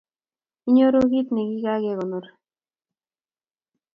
Inyoruu kiit negekonor